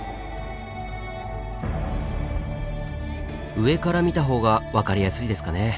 上から見たほうが分かりやすいですかね。